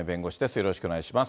よろしくお願いします。